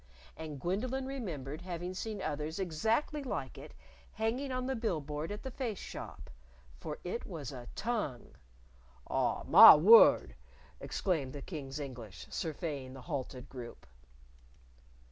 And Gwendolyn remembered having seen others exactly like it hanging on the bill board at the Face Shop. For it was a tongue! "Aw! Mah word!" exclaimed the King's English, surveying the halted group.